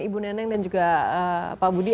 ibu neneng dan juga pak budi